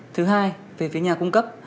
thứ hai về phía nhà cung cấp